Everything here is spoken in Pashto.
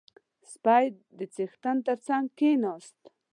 • سپی د څښتن تر څنګ کښېناست.